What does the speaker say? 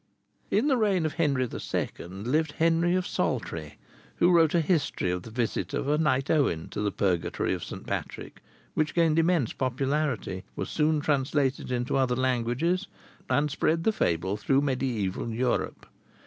In the reign of Henry II. lived Henry of Saltrey, who wrote a history of the visit of a Knight Owen to the Purgatory of St. Patrick, which gained immense popularity, ... was soon translated into other languages, and spread the fable through mediaeval Europe....